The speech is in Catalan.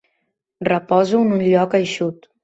Reposo en un lloc eixut.